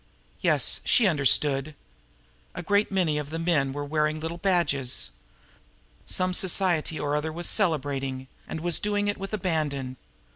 Yes, she understood! A great many of the men were wearing little badges. Some society or other was celebrating and was doing it with abandon.